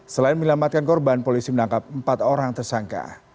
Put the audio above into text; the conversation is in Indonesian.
selain menyelamatkan korban polisi menangkap empat orang tersangka